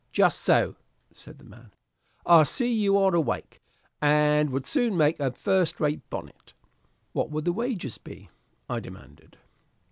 "Just so," said the man; "I see you are awake, and would soon make a first rate bonnet." "What would the wages be?" I demanded.